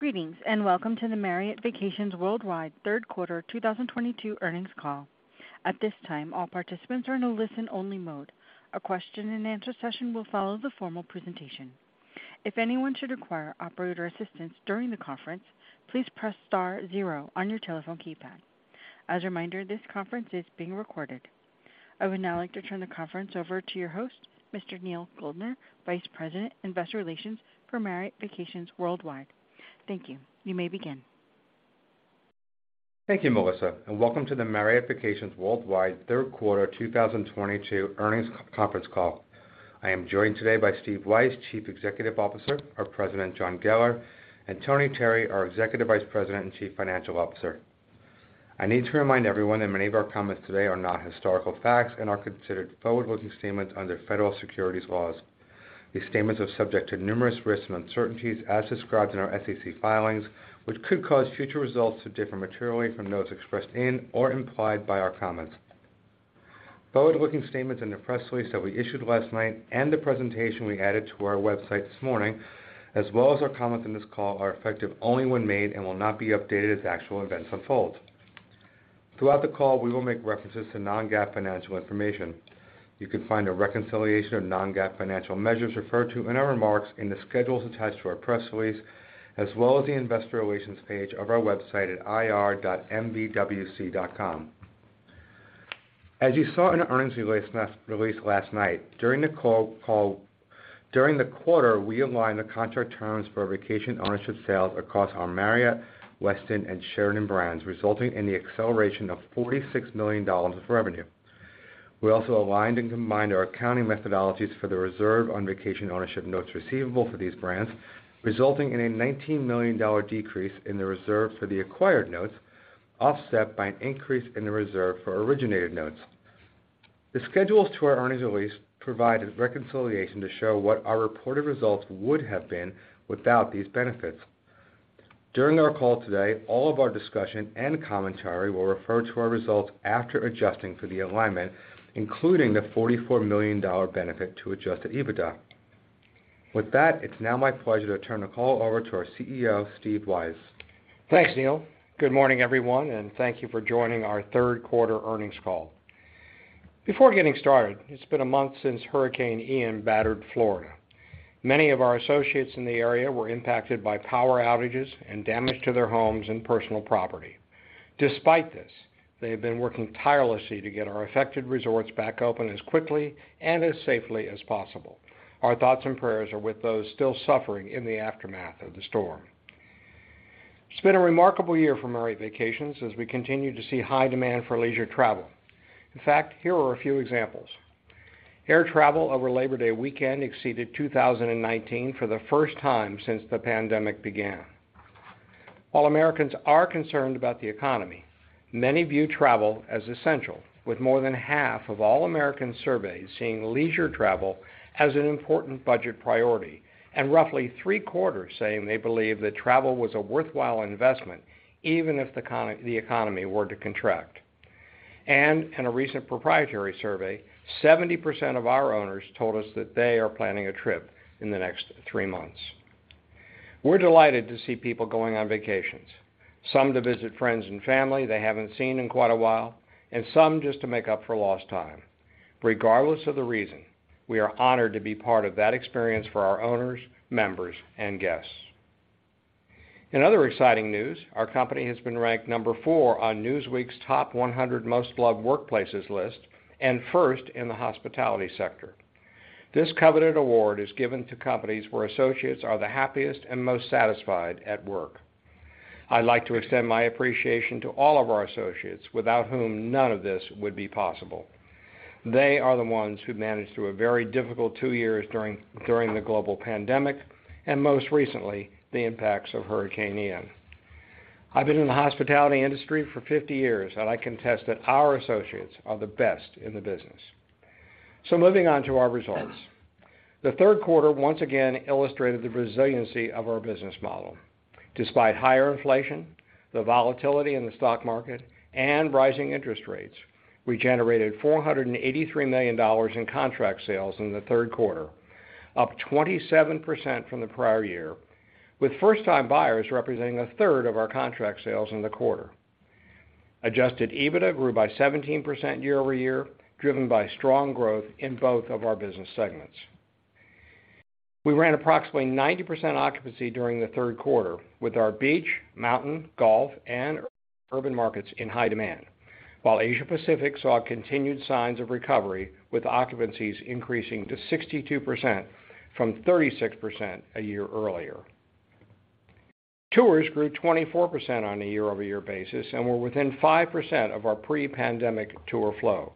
Greetings, and welcome to the Marriott Vacations Worldwide Third Quarter 2022 Earnings Call. At this time, all participants are in a listen only mode. A question and answer session will follow the formal presentation. If anyone should require operator assistance during the conference, please press star zero on your telephone keypad. As a reminder, this conference is being recorded. I would now like to turn the conference over to your host, Mr. Neal Goldner, Vice President, Investor Relations for Marriott Vacations Worldwide. Thank you. You may begin. Thank you, Melissa, and welcome to the Marriott Vacations Worldwide third quarter 2022 earnings conference call. I am joined today by Steve Weisz, Chief Executive Officer, our President, John Geller, Jr., and Anthony Terry, our Executive Vice President and Chief Financial Officer. I need to remind everyone that many of our comments today are not historical facts and are considered forward-looking statements under federal securities laws. These statements are subject to numerous risks and uncertainties as described in our SEC filings, which could cause future results to differ materially from those expressed in or implied by our comments. Forward-looking statements in the press release that we issued last night and the presentation we added to our website this morning, as well as our comments on this call, are effective only when made and will not be updated as actual events unfold. Throughout the call, we will make references to non-GAAP financial information. You can find a reconciliation of non-GAAP financial measures referred to in our remarks in the schedules attached to our press release, as well as the investor relations page of our website at ir.mvwc.com. As you saw in the earnings release last night, during the quarter, we aligned the contract terms for vacation ownership sales across our Marriott, Westin, and Sheraton brands, resulting in the acceleration of $46 million of revenue. We also aligned and combined our accounting methodologies for the reserve on vacation ownership notes receivable for these brands, resulting in a $19 million decrease in the reserve for the acquired notes, offset by an increase in the reserve for originated notes. The schedules to our earnings release provide a reconciliation to show what our reported results would have been without these benefits. During our call today, all of our discussion and commentary will refer to our results after adjusting for the alignment, including the $44 million benefit to adjusted EBITDA. With that, it's now my pleasure to turn the call over to our CEO, Steve Weisz. Thanks, Neal. Good morning, everyone, and thank you for joining our third quarter earnings call. Before getting started, it's been a month since Hurricane Ian battered Florida. Many of our associates in the area were impacted by power outages and damage to their homes and personal property. Despite this, they have been working tirelessly to get our affected resorts back open as quickly and as safely as possible. Our thoughts and prayers are with those still suffering in the aftermath of the storm. It's been a remarkable year for Marriott Vacations as we continue to see high demand for leisure travel. In fact, here are a few examples. Air travel over Labor Day weekend exceeded 2019 for the first time since the pandemic began. While Americans are concerned about the economy, many view travel as essential, with more than half of all Americans surveyed seeing leisure travel as an important budget priority, and roughly three-quarters saying they believe that travel was a worthwhile investment even if the economy were to contract. In a recent proprietary survey, 70% of our owners told us that they are planning a trip in the next three months. We're delighted to see people going on vacations, some to visit friends and family they haven't seen in quite a while, and some just to make up for lost time. Regardless of the reason, we are honored to be part of that experience for our owners, members, and guests. In other exciting news, our company has been ranked number four on Newsweek's Top 100 Most Loved Workplaces list and first in the hospitality sector. This coveted award is given to companies where associates are the happiest and most satisfied at work. I'd like to extend my appreciation to all of our associates, without whom none of this would be possible. They are the ones who managed through a very difficult two years during the global pandemic, and most recently, the impacts of Hurricane Ian. I've been in the hospitality industry for 50 years, and I can attest that our associates are the best in the business. Moving on to our results. The third quarter once again illustrated the resiliency of our business model. Despite higher inflation, the volatility in the stock market, and rising interest rates, we generated $483 million in contract sales in the third quarter, up 27% from the prior year, with first-time buyers representing a third of our contract sales in the quarter. Adjusted EBITDA grew by 17% year-over-year, driven by strong growth in both of our business segments. We ran approximately 90% occupancy during the third quarter with our beach, mountain, golf, and urban markets in high demand, while Asia Pacific saw continued signs of recovery with occupancies increasing to 62% from 36% a year earlier. Tours grew 24% on a year-over-year basis and were within 5% of our pre-pandemic tour flow.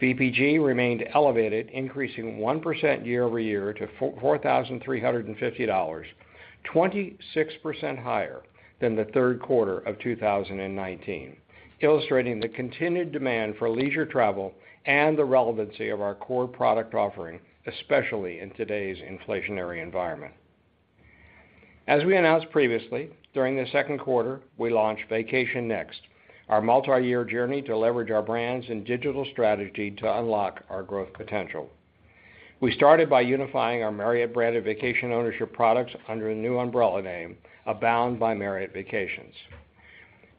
VPG remained elevated, increasing 1% year-over-year to $4,350, 26% higher than the third quarter of 2019, illustrating the continued demand for leisure travel and the relevancy of our core product offering, especially in today's inflationary environment. As we announced previously, during the second quarter, we launched Vacation Next, our multi-year journey to leverage our brands and digital strategy to unlock our growth potential. We started by unifying our Marriott branded vacation ownership products under a new umbrella name, Abound by Marriott Vacations.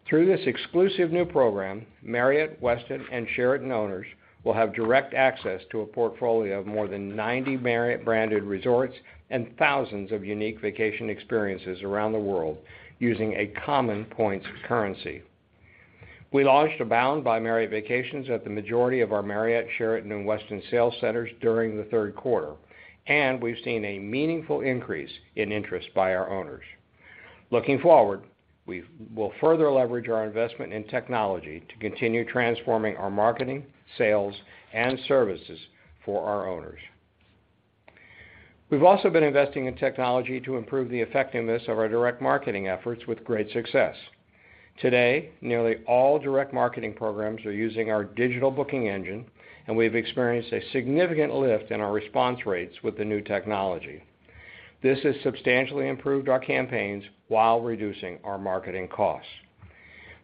Through this exclusive new program, Marriott, Westin, and Sheraton owners will have direct access to a portfolio of more than 90 Marriott-branded resorts and thousands of unique vacation experiences around the world using a common points currency. We launched Abound by Marriott Vacations at the majority of our Marriott, Sheraton, and Westin sales centers during the third quarter, and we've seen a meaningful increase in interest by our owners. Looking forward, we will further leverage our investment in technology to continue transforming our marketing, sales, and services for our owners. We've also been investing in technology to improve the effectiveness of our direct marketing efforts with great success. Today, nearly all direct marketing programs are using our digital booking engine, and we've experienced a significant lift in our response rates with the new technology. This has substantially improved our campaigns while reducing our marketing costs.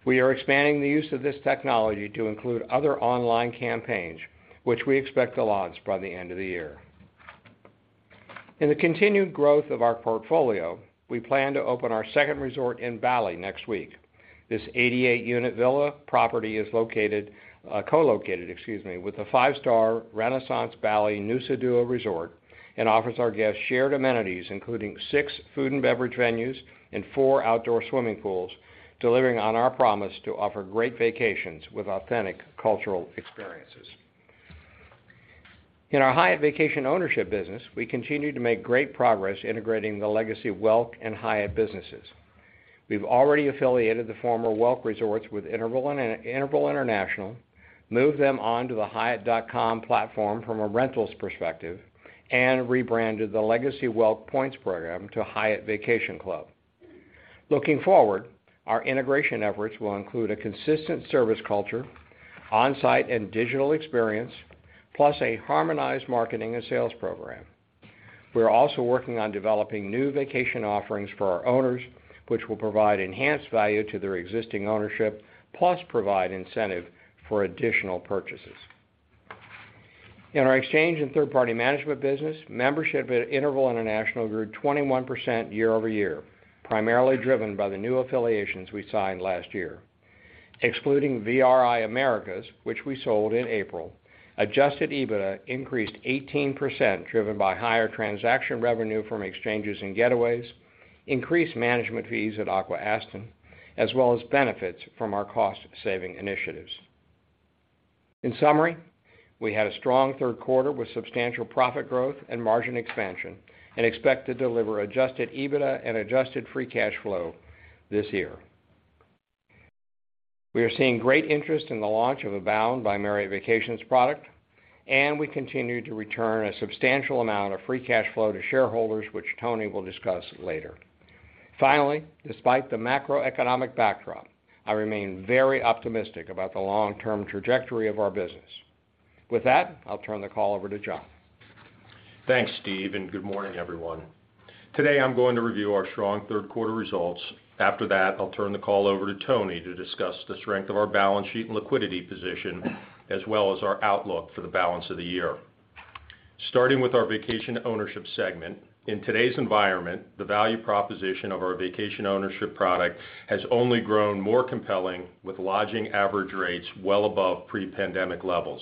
We are expanding the use of this technology to include other online campaigns, which we expect to launch by the end of the year. In the continued growth of our portfolio, we plan to open our second resort in Bali next week. This 88-unit villa property is co-located with a five-star Renaissance Bali Nusa Dua Resort and offers our guests shared amenities, including 6 food and beverage venues and four outdoor swimming pools, delivering on our promise to offer great vacations with authentic cultural experiences. In our Hyatt Vacation Ownership business, we continue to make great progress integrating the Legacy Welk and Hyatt businesses. We've already affiliated the former Welk Resorts with Interval International, moved them onto the hyatt.com platform from a rentals perspective, and rebranded the Legacy Welk points program to Hyatt Vacation Club. Looking forward, our integration efforts will include a consistent service culture, on-site and digital experience, plus a harmonized marketing and sales program. We are also working on developing new vacation offerings for our owners, which will provide enhanced value to their existing ownership, plus provide incentive for additional purchases. In our exchange and third-party management business, membership at Interval International grew 21% year-over-year, primarily driven by the new affiliations we signed last year. Excluding VRI Americas, which we sold in April, adjusted EBITDA increased 18%, driven by higher transaction revenue from exchanges and getaways, increased management fees at Aqua-Aston, as well as benefits from our cost-saving initiatives. In summary, we had a strong third quarter with substantial profit growth and margin expansion and expect to deliver adjusted EBITDA and adjusted free cash flow this year. We are seeing great interest in the launch of Abound by Marriott Vacations product, and we continue to return a substantial amount of free cash flow to shareholders, which Tony will discuss later. Finally, despite the macroeconomic backdrop, I remain very optimistic about the long-term trajectory of our business. With that, I'll turn the call over to John. Thanks, Steve, and good morning, everyone. Today, I'm going to review our strong third quarter results. After that, I'll turn the call over to Tony to discuss the strength of our balance sheet and liquidity position, as well as our outlook for the balance of the year. Starting with our Vacation Ownership segment, in today's environment, the value proposition of our vacation ownership product has only grown more compelling with lodging average rates well above pre-pandemic levels.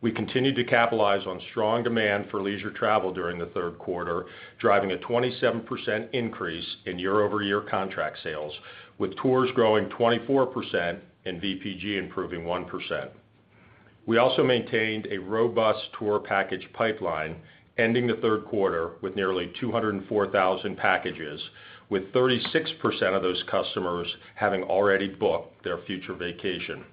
We continued to capitalize on strong demand for leisure travel during the third quarter, driving a 27% increase in year-over-year contract sales, with tours growing 24% and VPG improving 1%. We also maintained a robust tour package pipeline, ending the third quarter with nearly 204,000 packages, with 36% of those customers having already booked their future vacation.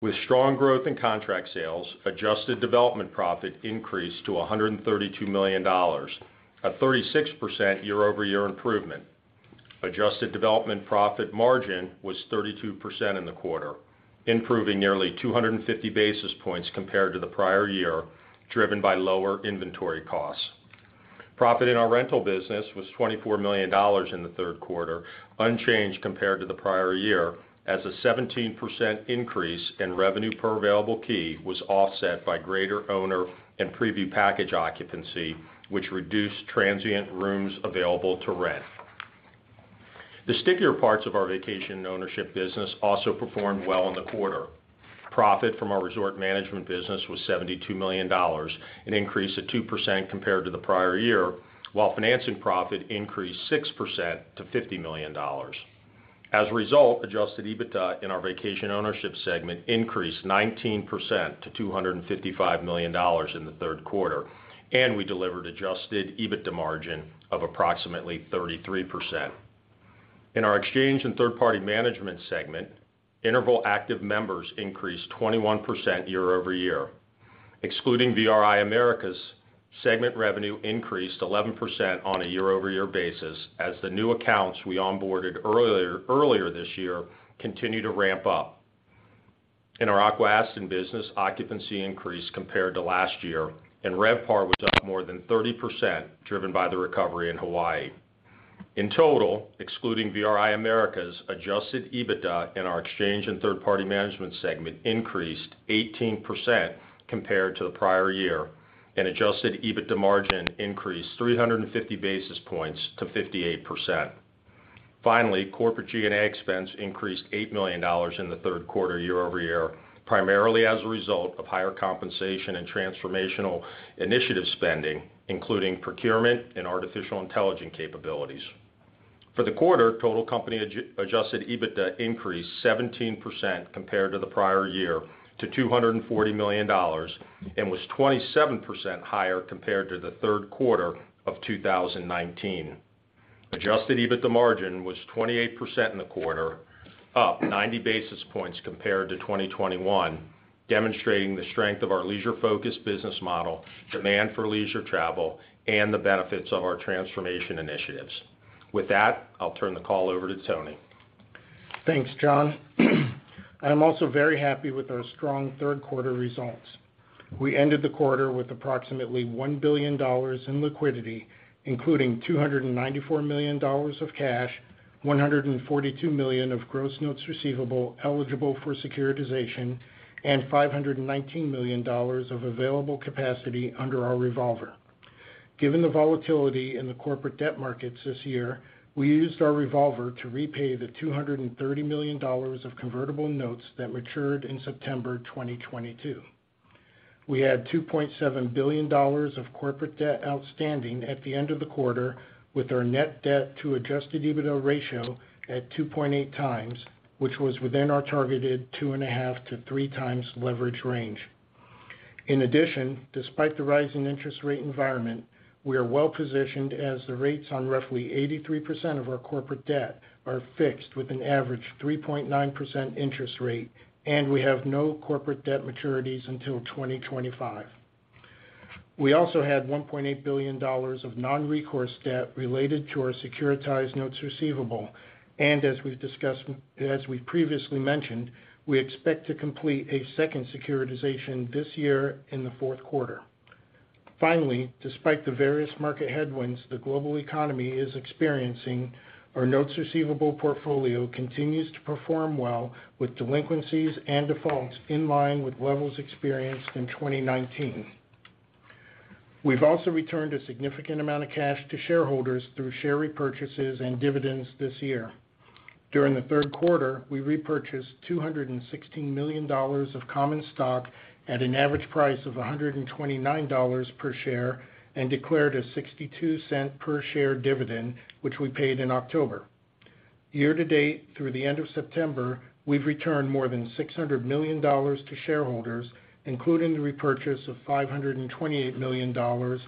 With strong growth in contract sales, adjusted development profit increased to $132 million, a 36% year-over-year improvement. Adjusted development profit margin was 32% in the quarter, improving nearly 250 basis points compared to the prior year, driven by lower inventory costs. Profit in our rental business was $24 million in the third quarter, unchanged compared to the prior year, as a 17% increase in revenue per available key was offset by greater owner and preview package occupancy, which reduced transient rooms available to rent. The stickier parts of our vacation ownership business also performed well in the quarter. Profit from our resort management business was $72 million, an increase of 2% compared to the prior year, while financing profit increased 6% to $50 million. As a result, adjusted EBITDA in our Vacation Ownership segment increased 19% to $255 million in the third quarter, and we delivered adjusted EBITDA margin of approximately 33%. In our Exchange and Third Party Management segment, Interval active members increased 21% year-over-year. Excluding VRI Americas, segment revenue increased 11% on a year-over-year basis as the new accounts we onboarded earlier this year continued to ramp up. In our Aqua-Aston business, occupancy increased compared to last year, and RevPAR was up more than 30%, driven by the recovery in Hawaii. In total, excluding VRI Americas, adjusted EBITDA in our Exchange and Third Party Management segment increased 18% compared to the prior year. Adjusted EBITDA margin increased 350 basis points to 58%. Finally, corporate G&A expense increased $8 million in the third quarter year-over-year, primarily as a result of higher compensation and transformational initiative spending, including procurement and artificial intelligence capabilities. For the quarter, total company adjusted EBITDA increased 17% compared to the prior year to $240 million and was 27% higher compared to the third quarter of 2019. Adjusted EBITDA margin was 28% in the quarter, up 90 basis points compared to 2021, demonstrating the strength of our leisure-focused business model, demand for leisure travel, and the benefits of our transformation initiatives. With that, I'll turn the call over to Tony. Thanks, John. I'm also very happy with our strong third quarter results. We ended the quarter with approximately $1 billion in liquidity, including $294 million of cash, $142 million of gross notes receivable eligible for securitization, and $519 million of available capacity under our revolver. Given the volatility in the corporate debt markets this year, we used our revolver to repay the $230 million of convertible notes that matured in September 2022. We had $2.7 billion of corporate debt outstanding at the end of the quarter, with our net debt to adjusted EBITDA ratio at 2.8 times, which was within our targeted 2.5-3 times leverage range. In addition, despite the rise in interest rate environment, we are well-positioned as the rates on roughly 83% of our corporate debt are fixed with an average 3.9% interest rate, and we have no corporate debt maturities until 2025. We also had $1.8 billion of non-recourse debt related to our securitized notes receivable. As we previously mentioned, we expect to complete a second securitization this year in the fourth quarter. Finally, despite the various market headwinds the global economy is experiencing, our notes receivable portfolio continues to perform well, with delinquencies and defaults in line with levels experienced in 2019. We've also returned a significant amount of cash to shareholders through share repurchases and dividends this year. During the third quarter, we repurchased $216 million of common stock at an average price of $129 per share and declared a $0.62 per share dividend, which we paid in October. Year to date, through the end of September, we've returned more than $600 million to shareholders, including the repurchase of $528 million or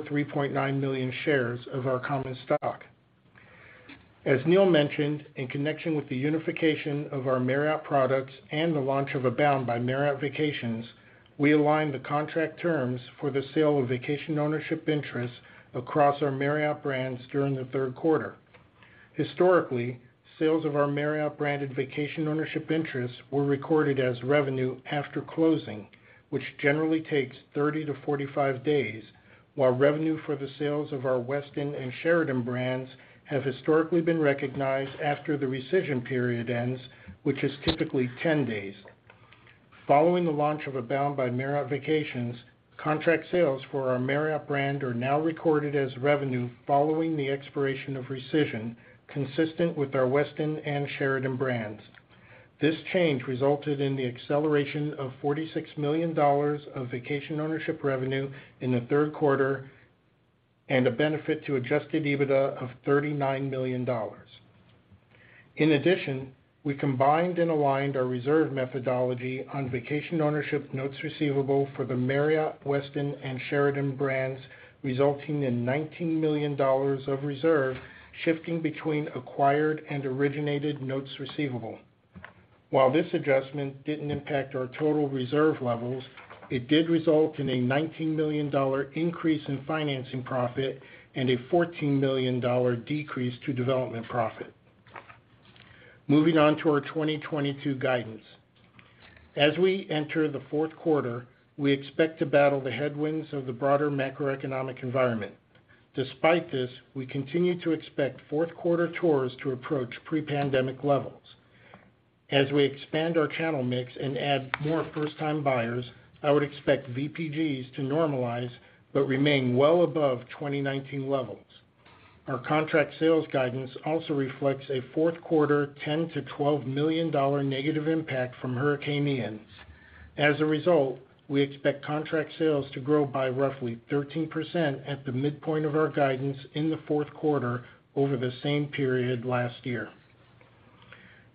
3.9 million shares of our common stock. As Neal mentioned, in connection with the unification of our Marriott products and the launch of Abound by Marriott Vacations, we aligned the contract terms for the sale of vacation ownership interests across our Marriott brands during the third quarter. Historically, sales of our Marriott-branded vacation ownership interests were recorded as revenue after closing, which generally takes 30-45 days, while revenue for the sales of our Westin and Sheraton brands have historically been recognized after the rescission period ends, which is typically 10 days. Following the launch of Abound by Marriott Vacations, contract sales for our Marriott brand are now recorded as revenue following the expiration of rescission, consistent with our Westin and Sheraton brands. This change resulted in the acceleration of $46 million of vacation ownership revenue in the third quarter and a benefit to adjusted EBITDA of $39 million. In addition, we combined and aligned our reserve methodology on vacation ownership notes receivable for the Marriott, Westin, and Sheraton brands, resulting in $19 million of reserve shifting between acquired and originated notes receivable. While this adjustment didn't impact our total reserve levels, it did result in a $19 million increase in financing profit and a $14 million decrease to development profit. Moving on to our 2022 guidance. As we enter the fourth quarter, we expect to battle the headwinds of the broader macroeconomic environment. Despite this, we continue to expect fourth quarter tours to approach pre-pandemic levels. As we expand our channel mix and add more first-time buyers, I would expect VPGs to normalize but remain well above 2019 levels. Our contract sales guidance also reflects a fourth quarter $10-$12 million negative impact from Hurricane Ian. As a result, we expect contract sales to grow by roughly 13% at the midpoint of our guidance in the fourth quarter over the same period last year.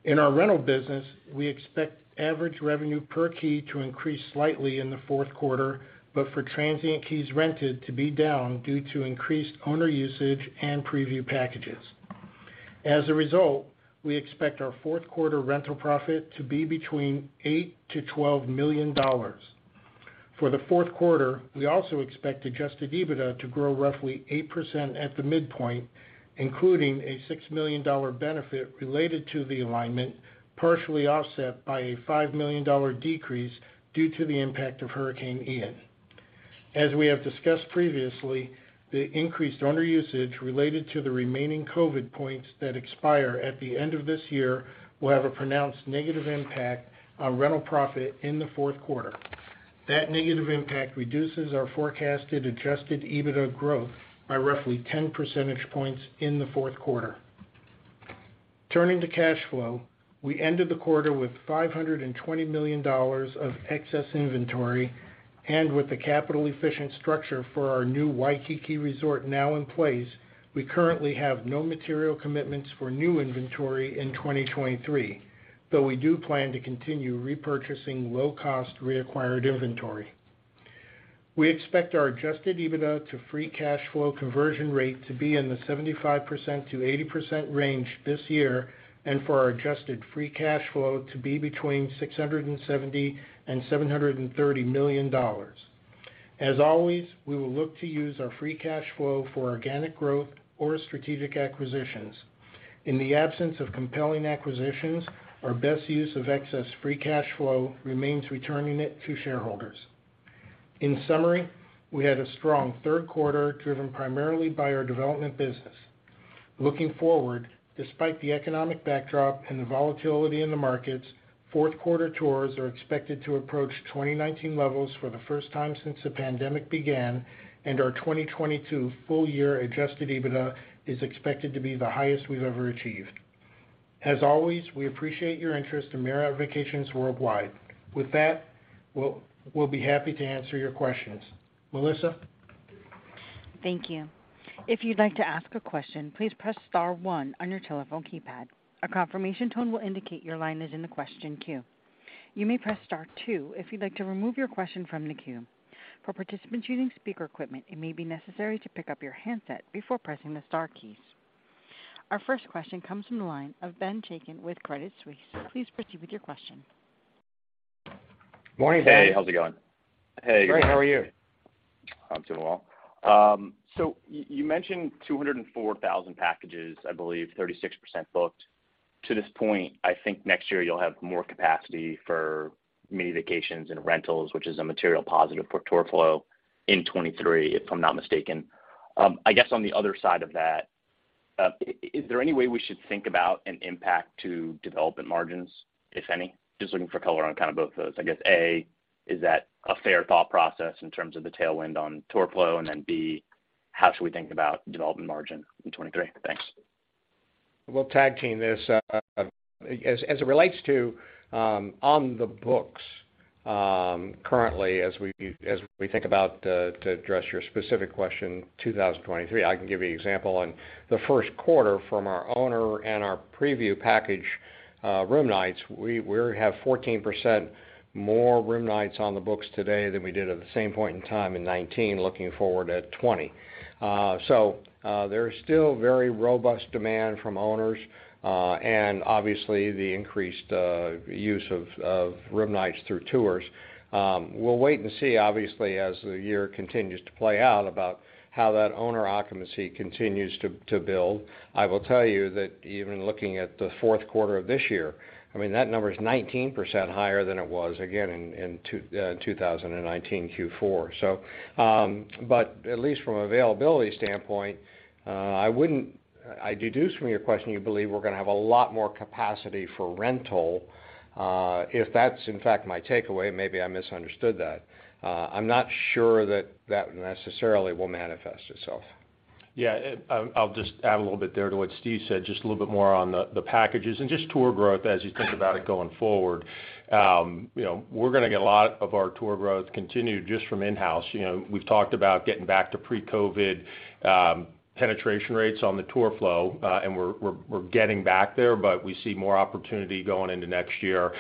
In our rental business, we expect average revenue per key to increase slightly in the fourth quarter, but for transient keys rented to be down due to increased owner usage and preview packages. As a result, we expect our fourth quarter rental profit to be between $8-$12 million. For the fourth quarter, we also expect adjusted EBITDA to grow roughly 8% at the midpoint, including a $6 million benefit related to the alignment, partially offset by a $5 million decrease due to the impact of Hurricane Ian. As we have discussed previously, the increased owner usage related to the remaining COVID points that expire at the end of this year will have a pronounced negative impact on rental profit in the fourth quarter. That negative impact reduces our forecasted adjusted EBITDA growth by roughly 10 percentage points in the fourth quarter. Turning to cash flow. We ended the quarter with $520 million of excess inventory and with the capital efficient structure for our new Waikiki Resort now in place, we currently have no material commitments for new inventory in 2023, though we do plan to continue repurchasing low cost reacquired inventory. We expect our adjusted EBITDA to free cash flow conversion rate to be in the 75%-80% range this year and for our adjusted free cash flow to be between $670 million and $730 million. As always, we will look to use our free cash flow for organic growth or strategic acquisitions. In the absence of compelling acquisitions, our best use of excess free cash flow remains returning it to shareholders. In summary, we had a strong third quarter, driven primarily by our development business. Looking forward, despite the economic backdrop and the volatility in the markets, fourth quarter tours are expected to approach 2019 levels for the first time since the pandemic began, and our 2022 full year adjusted EBITDA is expected to be the highest we've ever achieved. As always, we appreciate your interest in Marriott Vacations Worldwide. With that, we'll be happy to answer your questions. Melissa? Thank you. If you'd like to ask a question, please press star one on your telephone keypad. A confirmation tone will indicate your line is in the question queue. You may press star two if you'd like to remove your question from the queue. For participants using speaker equipment, it may be necessary to pick up your handset before pressing the star keys. Our first question comes from the line of Ben Chaiken with Credit Suisse. Please proceed with your question. Morning, Ben. Hey, how's it going? Great. How are you? I'm doing well. So you mentioned 204,000 packages, I believe 36% booked. To this point, I think next year you'll have more capacity for mini vacations and rentals, which is a material positive for tour flow in 2023, if I'm not mistaken. I guess on the other side of that, is there any way we should think about an impact to development margins, if any? Just looking for color on kind of both those. I guess, A, is that a fair thought process in terms of the tailwind on tour flow? Then, B, how should we think about development margin in 2023? Thanks. We'll tag team this. As it relates to on the books currently, to address your specific question, 2023, I can give you an example. On the first quarter from our owner and our preview package, room nights, we have 14% more room nights on the books today than we did at the same point in time in 2019, looking forward at 2020. There's still very robust demand from owners, and obviously the increased use of room nights through tours. We'll wait and see, obviously, as the year continues to play out about how that owner occupancy continues to build. I will tell you that even looking at the fourth quarter of this year, I mean, that number is 19% higher than it was, again, in two thousand and nineteen Q4. But at least from an availability standpoint, I deduce from your question, you believe we're gonna have a lot more capacity for rental, if that's in fact my takeaway, maybe I misunderstood that. I'm not sure that that necessarily will manifest itself. Yeah. I'll just add a little bit there to what Steve said, just a little bit more on the packages and just tour growth as you think about it going forward. You know, we're gonna get a lot of our tour growth continue just from in-house. You know, we've talked about getting back to pre-COVID penetration rates on the tour flow, and we're getting back there, but we see more opportunity going into next year.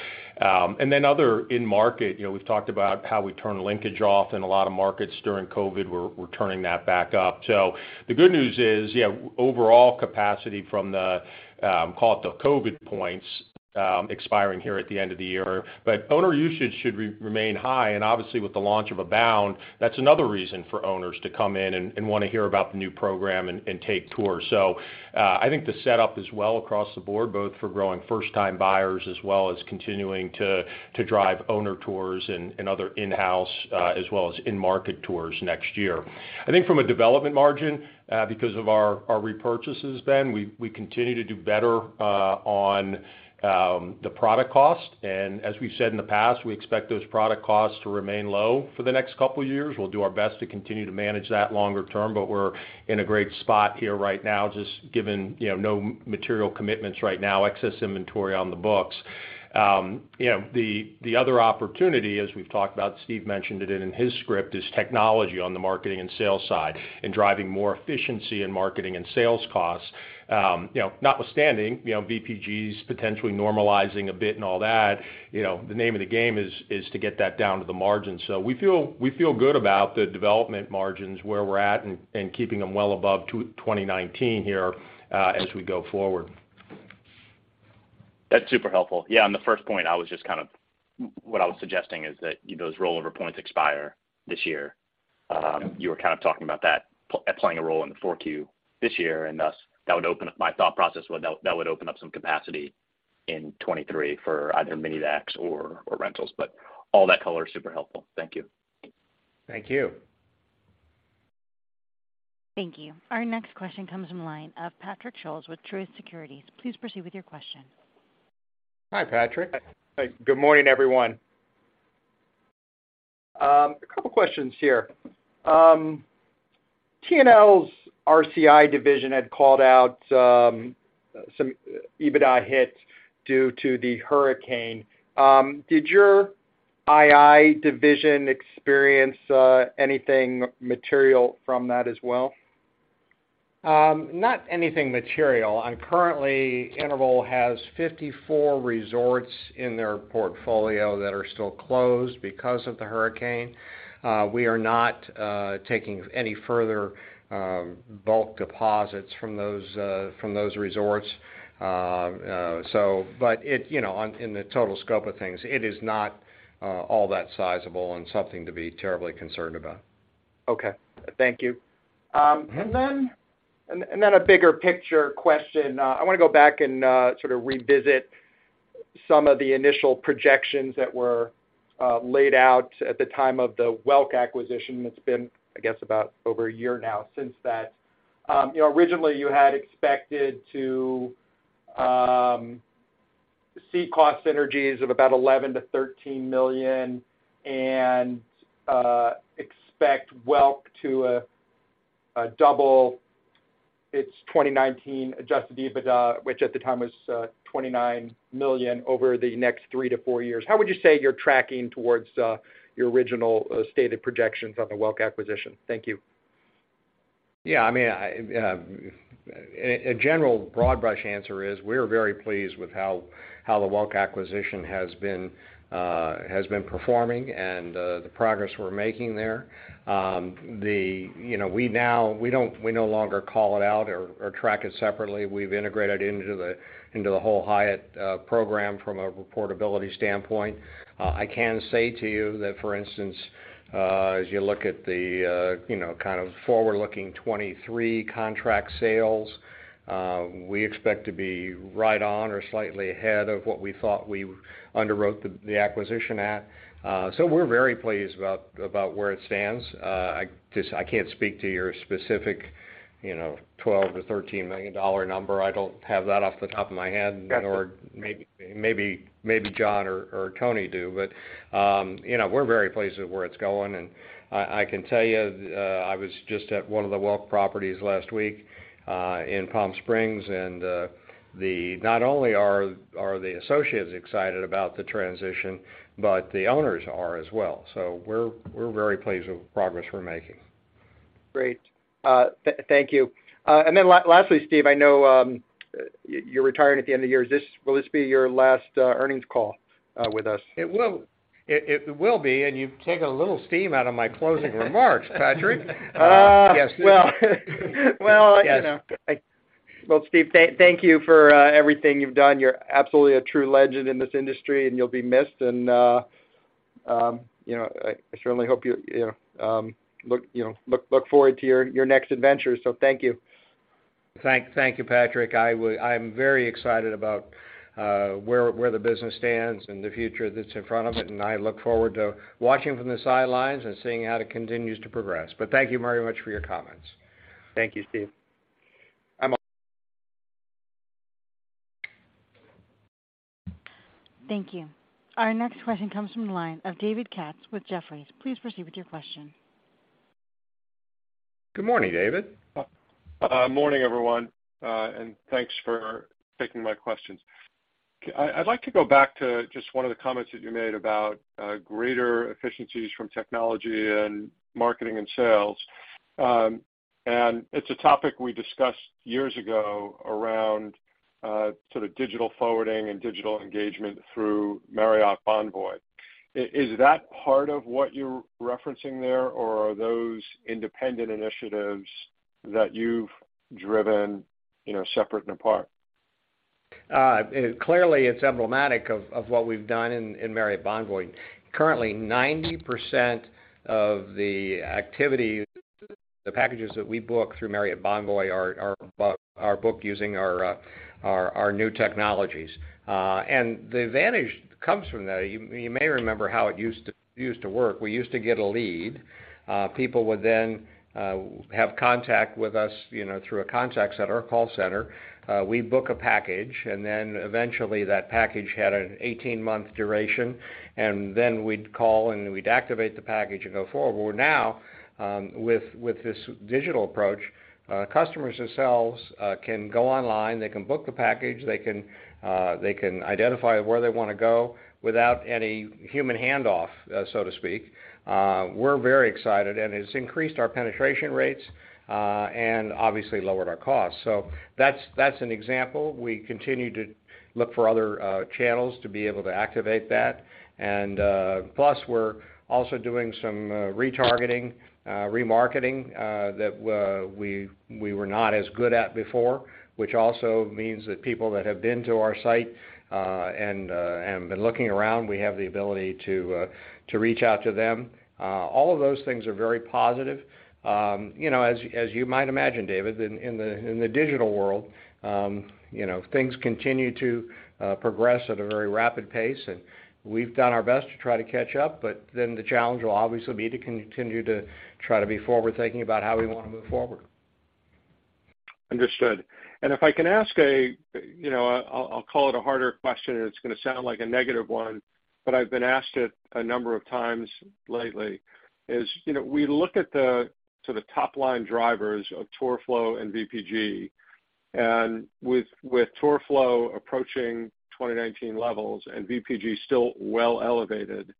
Other in-market, you know, we've talked about how we turn linkage off in a lot of markets during COVID. We're turning that back up. So the good news is, you have overall capacity from the call it the COVID points expiring here at the end of the year. Owner usage should remain high, and obviously, with the launch of Abound, that's another reason for owners to come in and wanna hear about the new program and take tours. I think the setup is well across the board, both for growing first time buyers as well as continuing to drive owner tours and other in-house, as well as in-market tours next year. I think from a development margin, because of our repurchases, Ben, we continue to do better on the product cost. As we've said in the past, we expect those product costs to remain low for the next couple of years. We'll do our best to continue to manage that longer term, but we're in a great spot here right now, just given, you know, no material commitments right now, excess inventory on the books. You know, the other opportunity, as we've talked about, Steve mentioned it in his script, is technology on the marketing and sales side and driving more efficiency in marketing and sales costs. You know, notwithstanding, you know, VPGs potentially normalizing a bit and all that, you know, the name of the game is to get that down to the margin. So we feel good about the development margins where we're at and keeping them well above 2019 here, as we go forward. That's super helpful. Yeah, on the first point, I was just kind of what I was suggesting is that, you know, those rollover points expire this year. You were kind of talking about that playing a role in the 4Q this year, and thus that would open up, my thought process was that that would open up some capacity in 2023 for either mini vacs or rentals. All that color is super helpful. Thank you. Thank you. Thank you. Our next question comes from the line of Patrick Scholes with Truist Securities. Please proceed with your question. Hi, Patrick. Hi. Good morning, everyone. A couple questions here. TNL's RCI division had called out some EBITDA hits due to the hurricane. Did your II division experience anything material from that as well? Not anything material. Currently, Interval has 54 resorts in their portfolio that are still closed because of the hurricane. We are not taking any further bulk deposits from those resorts. But it, you know, in the total scope of things, it is not all that sizable and something to be terribly concerned about. Okay. Thank you. A bigger picture question. I wanna go back and sort of revisit some of the initial projections that were laid out at the time of the Welk acquisition. It's been, I guess, about over a year now since that. You know, originally you had expected to see cost synergies of about $11-$13 million and expect Welk to double its 2019 adjusted EBITDA, which at the time was $29 million over the next 3-4 years. How would you say you're tracking towards your original stated projections on the Welk acquisition? Thank you. Yeah. I mean, a general broad brush answer is we're very pleased with how the Welk acquisition has been performing and the progress we're making there. We no longer call it out or track it separately. We've integrated into the whole Hyatt program from a reportability standpoint. I can say to you that, for instance, as you look at the kind of forward-looking 2023 contract sales, we expect to be right on or slightly ahead of what we thought we underwrote the acquisition at. We're very pleased about where it stands. I can't speak to your specific $12-$13 million number. I don't have that off the top of my head. Got it. Maybe John or Tony do. You know, we're very pleased with where it's going. I can tell you, I was just at one of the Welk properties last week in Palm Springs, and not only are the associates excited about the transition, but the owners are as well. We're very pleased with the progress we're making. Great. Thank you. Lastly, Steve, I know you're retiring at the end of the year. Will this be your last earnings call with us? It will. It will be, and you've taken a little steam out of my closing remarks, Patrick. Yes. Well, you know. Yes. Well, Steve, thank you for everything you've done. You're absolutely a true legend in this industry and you'll be missed and, you know, I certainly hope you know, look forward to your next adventure. Thank you. Thank you, Patrick. I'm very excited about where the business stands and the future that's in front of it, and I look forward to watching from the sidelines and seeing how it continues to progress. Thank you very much for your comments. Thank you, Steve. Thank you. Our next question comes from the line of David Katz with Jefferies. Please proceed with your question. Good morning, David. Morning, everyone, and thanks for taking my questions. I'd like to go back to just one of the comments that you made about greater efficiencies from technology and marketing and sales. It's a topic we discussed years ago around sort of digital forwarding and digital engagement through Marriott Bonvoy. Is that part of what you're referencing there, or are those independent initiatives that you've driven, you know, separate and apart? Clearly, it's emblematic of what we've done in Marriott Bonvoy. Currently, 90% of the activity, the packages that we book through Marriott Bonvoy are booked using our new technologies. The advantage comes from that. You may remember how it used to work. We used to get a lead. People would then have contact with us, you know, through a contact center or call center. We book a package, and then eventually that package had an 18-month duration, and then we'd call and we'd activate the package and go forward. Well, now, with this digital approach, customers themselves can go online, they can book the package, they can identify where they wanna go without any human handoff, so to speak. We're very excited, and it's increased our penetration rates and obviously lowered our costs. That's an example. We continue to look for other channels to be able to activate that. We're also doing some retargeting, remarketing that we were not as good at before, which also means that people that have been to our site and been looking around, we have the ability to reach out to them. All of those things are very positive. You know, as you might imagine, David, in the digital world, you know, things continue to progress at a very rapid pace, and we've done our best to try to catch up, but then the challenge will obviously be to continue to try to be forward-thinking about how we wanna move forward. Understood. If I can ask, you know, I'll call it a harder question, and it's gonna sound like a negative one, but I've been asked it a number of times lately is, you know, we look at the top line drivers of tour flow and VPG. With tour flow approaching 2019 levels and VPG still well elevated,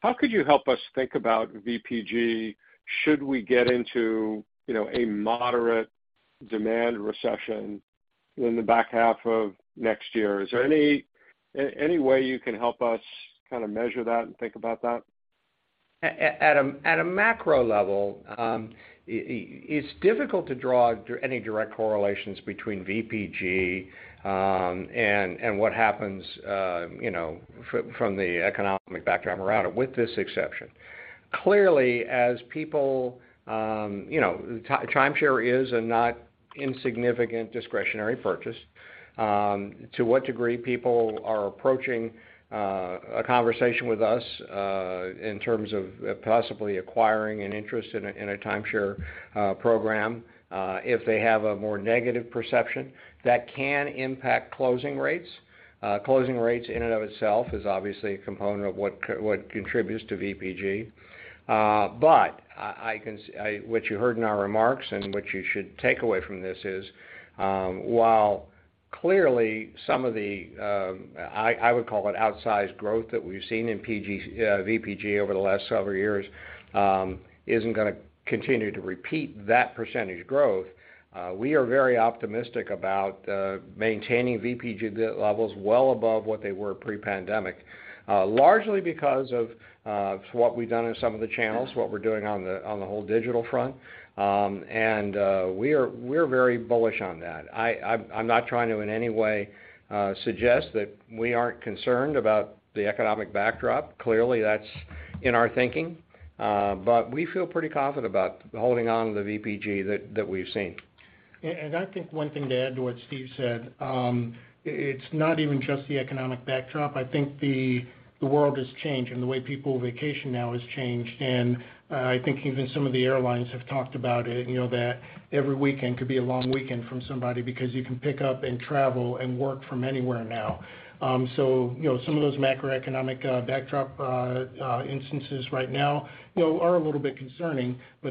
how could you help us think about VPG should we get into, you know, a moderate demand recession in the back half of next year? Is there any way you can help us kind of measure that and think about that? At a macro level, it's difficult to draw any direct correlations between VPG and what happens, you know, from the economic background around it, with this exception. Clearly, as people, you know, timeshare is a not insignificant discretionary purchase. To what degree people are approaching a conversation with us in terms of possibly acquiring an interest in a timeshare program, if they have a more negative perception, that can impact closing rates. Closing rates in and of itself is obviously a component of what contributes to VPG. What you heard in our remarks and what you should take away from this is, while clearly some of the, I would call it outsized growth that we've seen in VPG over the last several years, isn't gonna continue to repeat that percentage growth, we are very optimistic about maintaining VPG levels well above what they were pre-pandemic, largely because of what we've done in some of the channels, what we're doing on the whole digital front. We are very bullish on that. I'm not trying to, in any way, suggest that we aren't concerned about the economic backdrop. Clearly, that's in our thinking, but we feel pretty confident about holding on to the VPG that we've seen. I think one thing to add to what Steve said, it's not even just the economic backdrop. I think the world has changed and the way people vacation now has changed. I think even some of the airlines have talked about it, you know, that every weekend could be a long weekend from somebody because you can pick up and travel and work from anywhere now. You know, some of those macroeconomic backdrop instances right now, you know, are a little bit concerning. You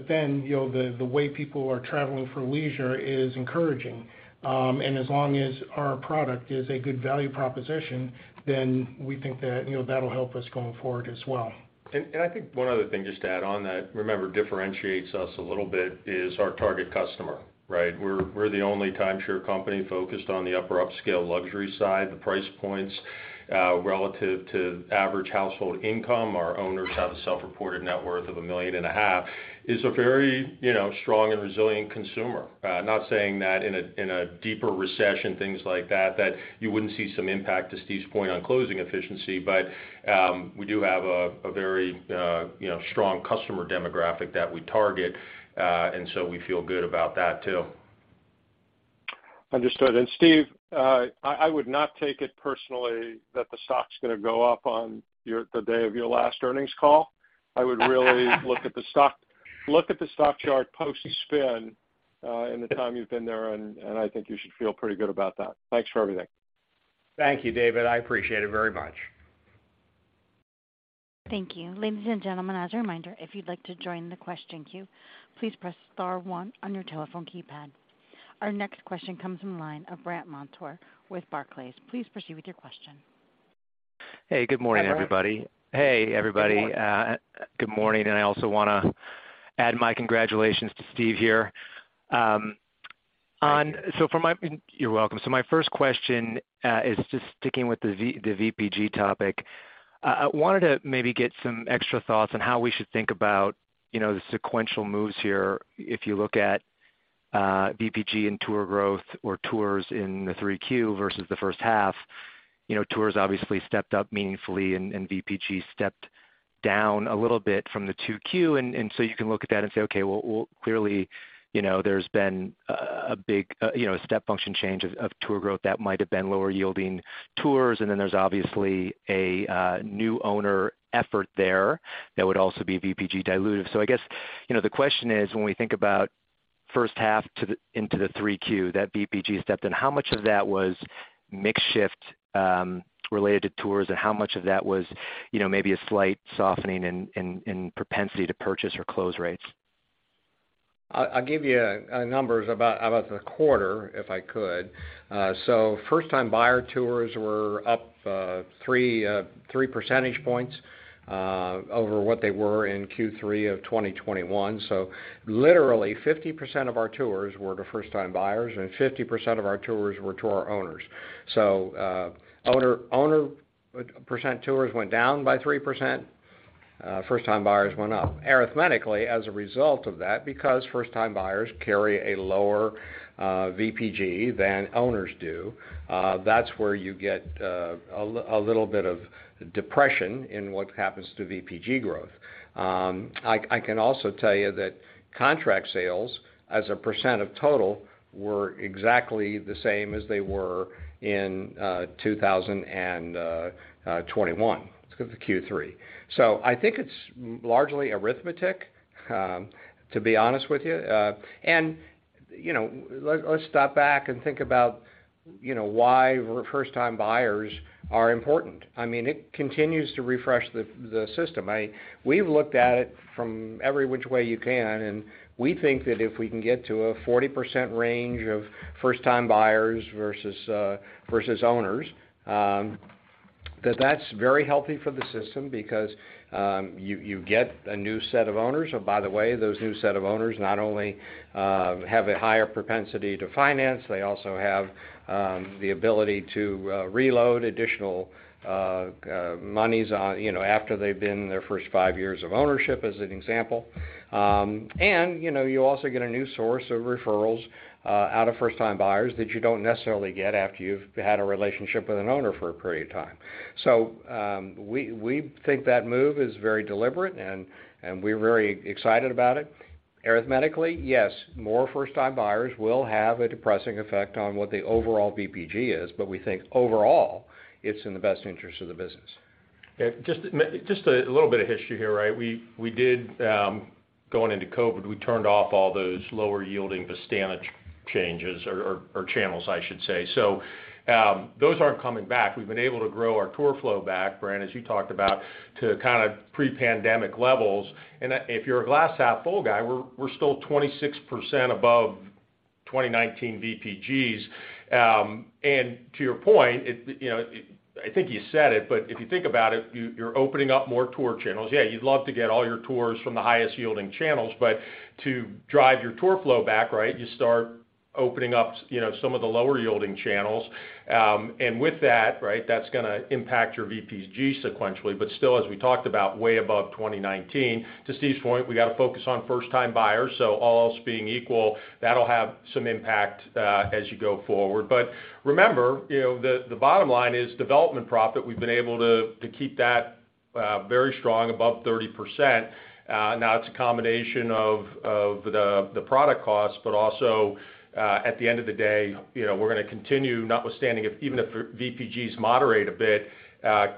know, the way people are traveling for leisure is encouraging. As long as our product is a good value proposition, we think that, you know, that'll help us going forward as well. I think one other thing just to add on that, remember, differentiates us a little bit is our target customer, right? We're the only timeshare company focused on the upper upscale luxury side. The price points relative to average household income, our owners have a self-reported net worth of $1.5 million, is a very, you know, strong and resilient consumer. Not saying that in a deeper recession, things like that you wouldn't see some impact, to Steve's point, on closing efficiency, but we do have a very strong customer demographic that we target, and so we feel good about that too. Understood. Steve, I would not take it personally that the stock's gonna go up on the day of your last earnings call. I would really look at the stock, look at the stock chart post spin, in the time you've been there, and I think you should feel pretty good about that. Thanks for everything. Thank you, David. I appreciate it very much. Thank you. Ladies and gentlemen, as a reminder, if you'd like to join the question queue, please press star one on your telephone keypad. Our next question comes from the line of Brandt Montour with Barclays. Please proceed with your question. Hey, good morning, everybody. Hi, Brandt. Hey, everybody. Good morning. Good morning, I also wanna add my congratulations to Steve here. Thank you. You're welcome. My first question is just sticking with the VPG topic. I wanted to maybe get some extra thoughts on how we should think about, you know, the sequential moves here. If you look at VPG and tour growth or tours in the 3Q versus the first half, you know, tours obviously stepped up meaningfully and VPG stepped down a little bit from the 2Q. You can look at that and say, okay, well clearly, you know, there's been a big step function change of tour growth that might have been lower yielding tours, and then there's obviously a new owner effort there that would also be VPG dilutive. I guess, you know, the question is, when we think about first half into 3Q, that VPG stepped in, how much of that was mix shift related to tours, and how much of that was, you know, maybe a slight softening in propensity to purchase or close rates? I'll give you numbers about the quarter, if I could. First time buyer tours were up 3 percentage points over what they were in Q3 of 2021. Literally 50% of our tours were to first time buyers, and 50% of our tours were to our owners. Owner percent tours went down by 3%. First time buyers went up. Arithmetically, as a result of that, because first time buyers carry a lower VPG than owners do, that's where you get a little bit of depression in what happens to VPG growth. I can also tell you that contract sales as a percent of total were exactly the same as they were in 2021 for the Q3. I think it's largely arithmetic, to be honest with you. You know, let's step back and think about why first-time buyers are important. I mean, it continues to refresh the system. We've looked at it from every which way you can, and we think that if we can get to a 40% range of first-time buyers versus owners, that that's very healthy for the system because you get a new set of owners. By the way, those new set of owners not only have a higher propensity to finance, they also have the ability to reload additional monies, you know, after they've been in their first 5 years of ownership, as an example. you know, you also get a new source of referrals out of first-time buyers that you don't necessarily get after you've had a relationship with an owner for a period of time. We think that move is very deliberate and we're very excited about it. Arithmetically, yes, more first-time buyers will have a depressing effect on what the overall VPG is, but we think overall, it's in the best interest of the business. Yeah. Just a little bit of history here, right? We did, going into COVID, we turned off all those lower yielding Vistana channels, I should say. Those aren't coming back. We've been able to grow our tour flow back, Brandt, as you talked about, to kind of pre-pandemic levels. If you're a glass half full guy, we're still 26% above 2019 VPGs. To your point, you know, I think you said it, but if you think about it, you're opening up more tour channels. Yeah, you'd love to get all your tours from the highest yielding channels, but to drive your tour flow back, right, you start opening up, you know, some of the lower yielding channels. With that, right, that's gonna impact your VPG sequentially. Still, as we talked about, way above 2019. To Steve's point, we gotta focus on first-time buyers, so all else being equal, that'll have some impact, as you go forward. Remember, you know, the bottom line is development profit. We've been able to keep that very strong, above 30%. Now it's a combination of the product costs, but also, at the end of the day, you know, we're gonna continue, notwithstanding even if VPGs moderate a bit,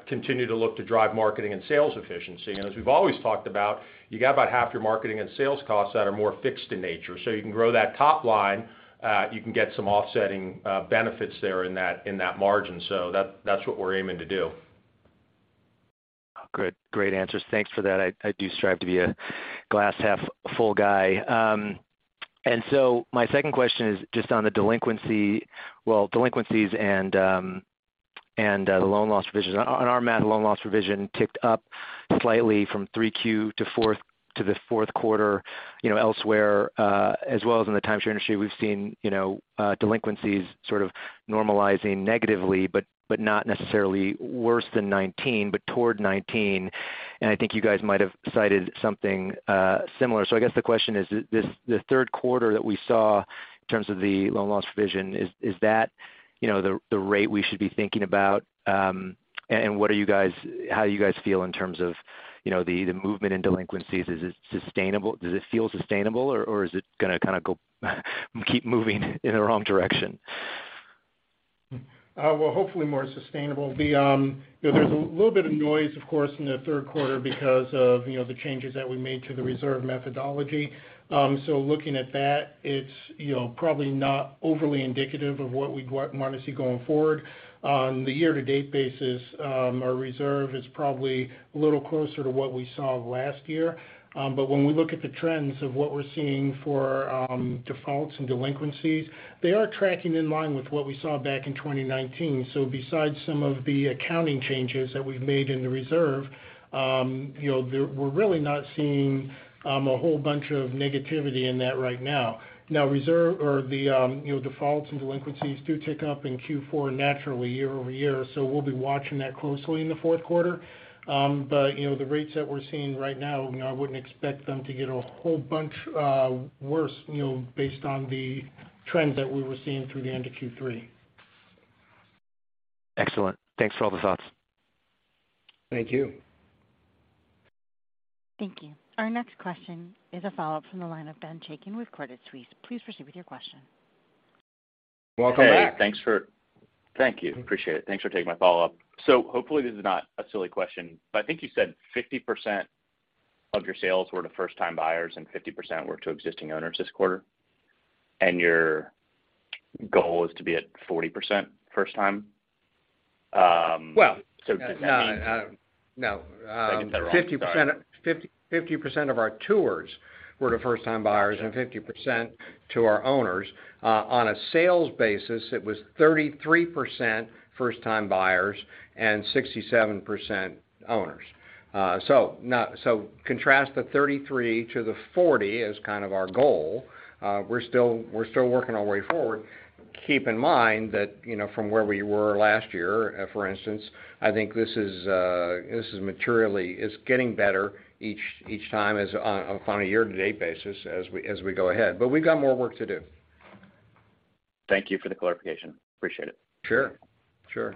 continue to look to drive marketing and sales efficiency. As we've always talked about, you got about half your marketing and sales costs that are more fixed in nature. You can grow that top line, you can get some offsetting benefits there in that margin. That's what we're aiming to do. Good. Great answers. Thanks for that. I do strive to be a glass half full guy. My second question is just on the delinquency. Delinquencies and the loan loss provisions. On our math, loan loss provision ticked up slightly from 3Q to the fourth quarter. You know, elsewhere, as well as in the timeshare industry, we've seen, you know, delinquencies sort of normalizing negatively, but not necessarily worse than 2019, but toward 2019. I think you guys might have cited something similar. I guess the question is this the third quarter that we saw in terms of the loan loss provision, is that the rate we should be thinking about? How do you guys feel in terms of, you know, the movement in delinquencies? Is it sustainable? Does it feel sustainable or is it gonna kinda go keep moving in the wrong direction? Well, hopefully more sustainable. You know, there's a little bit of noise, of course, in the third quarter because of the changes that we made to the reserve methodology. Looking at that, it's probably not overly indicative of what we'd want to see going forward. On the year-to-date basis, our reserve is probably a little closer to what we saw last year. When we look at the trends of what we're seeing for defaults and delinquencies, they are tracking in line with what we saw back in 2019. Besides some of the accounting changes that we've made in the reserve, you know, we're really not seeing a whole bunch of negativity in that right now. You know, defaults and delinquencies do tick up in Q4 naturally year over year, so we'll be watching that closely in the fourth quarter. You know, the rates that we're seeing right now, you know, I wouldn't expect them to get a whole bunch worse, you know, based on the trends that we were seeing through the end of Q3. Excellent. Thanks for all the thoughts. Thank you. Thank you. Our next question is a follow-up from the line of Ben Chaiken with Credit Suisse. Please proceed with your question. Welcome back. Thank you. Appreciate it. Thanks for taking my follow-up. Hopefully this is not a silly question, but I think you said 50% of your sales were to first-time buyers and 50% were to existing owners this quarter, and your goal is to be at 40% first-time. Does that mean? Well, no. No. If I did that wrong, sorry. 50% of our tours were to first-time buyers and 50% to our owners. On a sales basis, it was 33% first-time buyers and 67% owners. Contrast the 33% to the 40% as kind of our goal, we're still working our way forward. Keep in mind that, you know, from where we were last year, for instance, I think this is materially, it's getting better each time on a year-to-date basis as we go ahead. We've got more work to do. Thank you for the clarification. Appreciate it. Sure. Sure.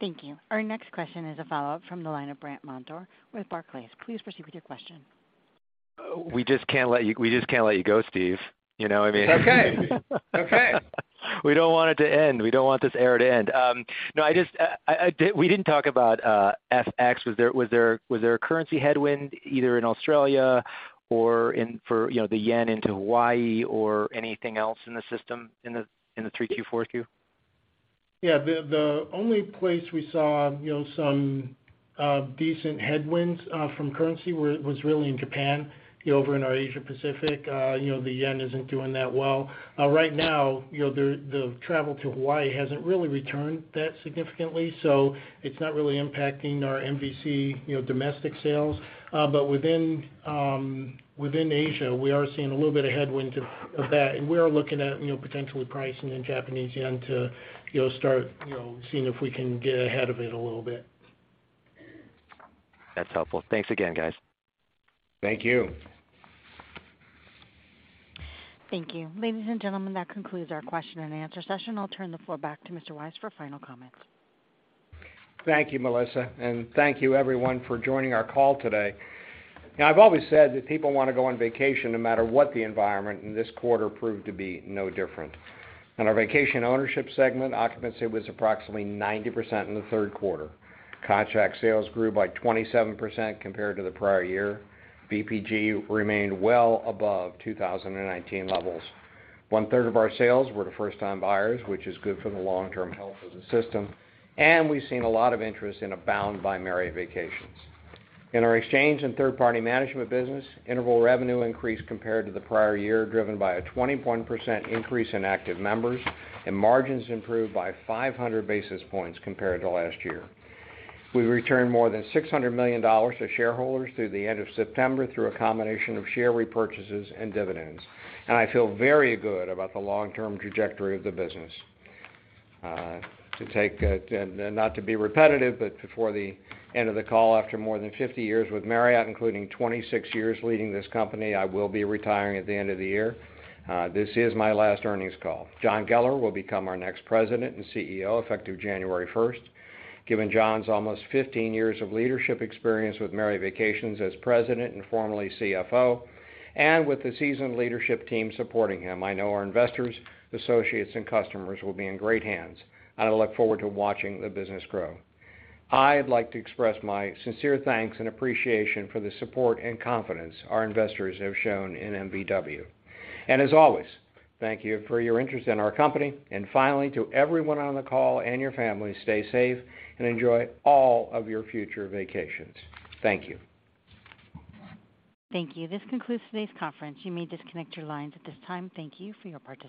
Thank you. Our next question is a follow-up from the line of Brandt Montour with Barclays. Please proceed with your question. We just can't let you go, Steve. You know what I mean? Okay. Okay. We don't want it to end. We don't want this era to end. No, I just, we didn't talk about FX. Was there a currency headwind either in Australia or in for, you know, the yen into Hawaii or anything else in the system in the 3Q 4Q? Yeah. The only place we saw, you know, some decent headwinds from currency was really in Japan. You know, over in our Asia Pacific, you know, the yen isn't doing that well right now, you know, the travel to Hawaii hasn't really returned that significantly, so it's not really impacting our MVC, you know, domestic sales. But within Asia, we are seeing a little bit of headwind to that. We are looking at, you know, potentially pricing in Japanese yen to, you know, start, you know, seeing if we can get ahead of it a little bit. That's helpful. Thanks again, guys. Thank you. Thank you. Ladies and gentlemen, that concludes our question and answer session. I'll turn the floor back to Mr. Weisz for final comments. Thank you, Melissa. Thank you everyone for joining our call today. Now, I've always said that people wanna go on vacation no matter what the environment, and this quarter proved to be no different. In our vacation ownership segment, occupancy was approximately 90% in the third quarter. Contract sales grew by 27% compared to the prior year. VPG remained well above 2019 levels. 1/3 of our sales were to first-time buyers, which is good for the long-term health of the system, and we've seen a lot of interest in Abound by Marriott Vacations. In our exchange and third-party management business, interval revenue increased compared to the prior year, driven by a 21% increase in active members, and margins improved by 500 basis points compared to last year. We returned more than $600 million to shareholders through the end of September through a combination of share repurchases and dividends. I feel very good about the long-term trajectory of the business. Not to be repetitive, but before the end of the call, after more than 50 years with Marriott, including 26 years leading this company, I will be retiring at the end of the year. This is my last earnings call. John Geller will become our next President and CEO effective January 1. Given John's almost 15 years of leadership experience with Marriott Vacations as President and formerly CFO, and with the seasoned leadership team supporting him, I know our investors, associates and customers will be in great hands, and I look forward to watching the business grow. I'd like to express my sincere thanks and appreciation for the support and confidence our investors have shown in MVW. As always, thank you for your interest in our company. Finally, to everyone on the call and your families, stay safe and enjoy all of your future vacations. Thank you. Thank you. This concludes today's conference. You may disconnect your lines at this time. Thank you for your participation.